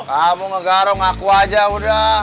kamu ngegarung aku aja udah